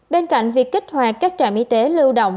bên cạnh việc kích hoạt các trạm y tế lưu động